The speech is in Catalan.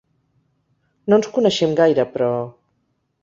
No ens coneixem gaire, però...